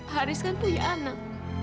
haris kan punya anak